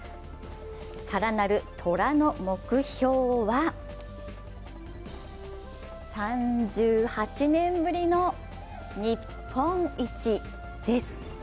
更なる虎の目標は、３８年ぶりの日本一です。